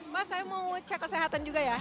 mas saya mau cek kesehatan juga ya